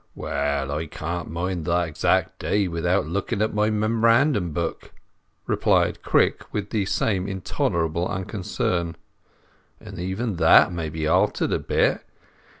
"Well, I can't mind the exact day without looking at my memorandum book," replied Crick, with the same intolerable unconcern. "And even that may be altered a bit.